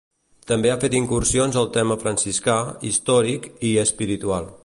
També ha fet incursions al tema franciscà, històric i espiritual.